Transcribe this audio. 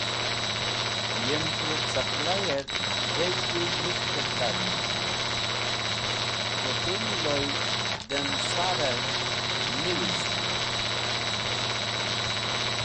Yem k̃hũ cẽqlayyor dheg̃hdi nik̃hti et k̃hat: Ko tu yiloy dem sar-e ark niwiz.